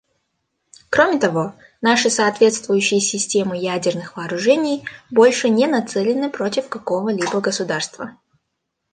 Кроме того, наши соответствующие системы ядерных вооружений больше не нацелены против какого-либо государства.